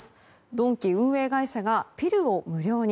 ドンキ運営会社がピルを無料に。